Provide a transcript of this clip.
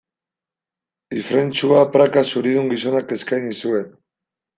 Ifrentzua praka zuridun gizonak eskaini zuen.